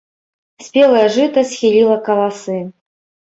Спелае жыта схіліла каласы.